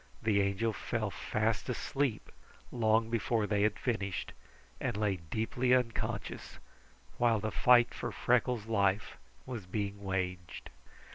The Angel fell fast asleep long before they had finished, and lay deeply unconscious, while the fight for Freckles' life was being waged.